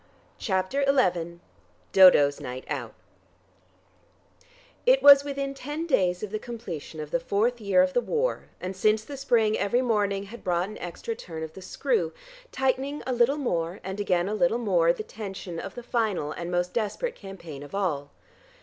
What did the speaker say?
CHAPTER XI DODO'S NIGHT OUT It was within ten days of the completion of the fourth year of the war, and since the spring every morning had brought an extra turn of the screw, tightening a little more and again a little more the tension of the final and most desperate campaign of all.